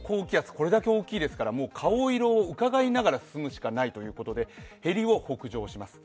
これだけ大きいですから顔色を伺いながら進むしかないということでへりを北上します。